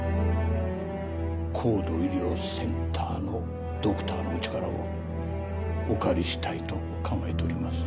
高度医療センターのドクターのお力をお借りしたいと考えております。